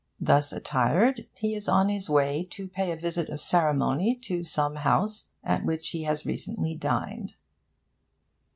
Thus attired, he is on his way to pay a visit of ceremony to some house at which he has recently dined.